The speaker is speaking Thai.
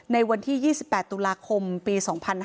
ในวันที่๒๘ตุลาคมปี๒๕๕๙